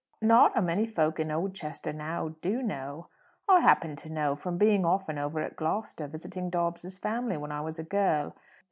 "Not a many folks in Oldchester now do know. I happened to know from being often over at Gloucester, visiting Dobbs's family, when I was a girl.